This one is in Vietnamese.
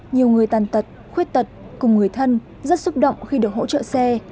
nhiều người tàn tật khuyết tật cùng người thân rất xúc động khi được hỗ trợ xe